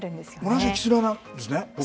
同じキツネなんですね。